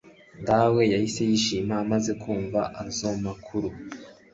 Dawe yahise yishima amaze kumva azo makuru